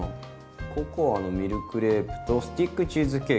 「ココアのミルクレープとスティックチーズケーキ」。